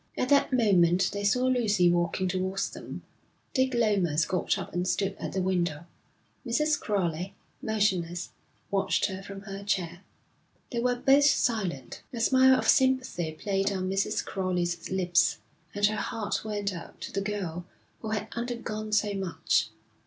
At that moment they saw Lucy walking towards them. Dick Lomas got up and stood at the window. Mrs. Crowley, motionless, watched her from her chair. They were both silent. A smile of sympathy played on Mrs. Crowley's lips, and her heart went out to the girl who had undergone so much.